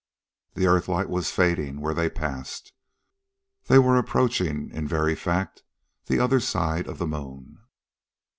The earth light was fading where they passed. They were approaching, in very fact, the other side of the moon.